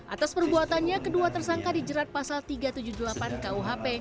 atas perbuatannya kedua tersangka dijerat pasal tiga ratus tujuh puluh delapan kuhp